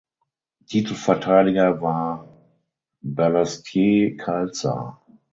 Titelverteidiger war Balestier Khalsa.